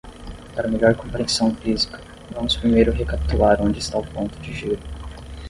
Para melhor compreensão física, vamos primeiro recapitular onde está o ponto de giro.